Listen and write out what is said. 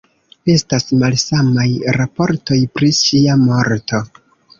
Estas malsamaj raportoj pri ŝia morto.